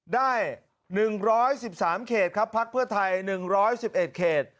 ได้๑๑๓เขตครับพักเพื่อไทย๑๑๑เขต